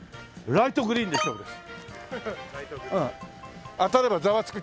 ライトグリーンで勝負します。